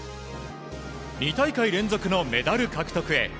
２大会連続のメダル獲得へ。